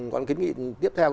còn kín nghị tiếp theo